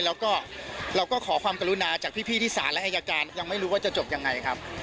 แล้วก็เราก็ขอความกรุณาจากพี่ที่ศาลและอายการยังไม่รู้ว่าจะจบยังไงครับ